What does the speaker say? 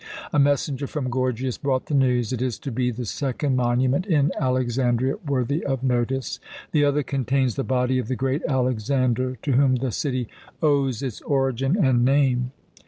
A messenger from Gorgias brought the news. It is to be the second monument in Alexandria worthy of notice. The other contains the body of the great Alexander, to whom the city owes its origin and name.